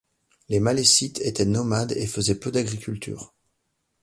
Les Malécites étaient nomades et faisaient peu d'agriculture.